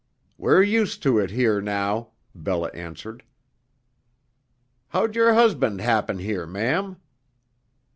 "We're used to it here now," Bella answered. "How'd your husband happen here, ma'am?"